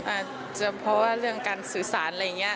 อาจจะเพราะว่าเรื่องการสื่อสารอะไรอย่างนี้